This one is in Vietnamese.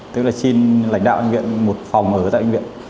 tức là xin lãnh đạo bệnh viện một phòng ở tại bệnh viện